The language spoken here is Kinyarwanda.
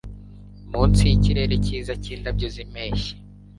Munsi yikirere cyiza nkindabyo zimpeshyi